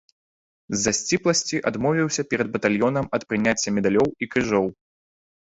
З-за сціпласці адмовіўся перад батальёнам ад прыняцця медалёў і крыжоў.